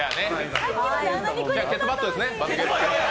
ケツバットですね。